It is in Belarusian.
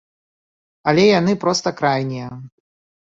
Але яны проста крайнія.